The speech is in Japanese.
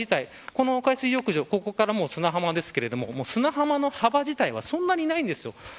この海水浴場ここから砂浜ですが砂浜の幅自体はそんなにないんです。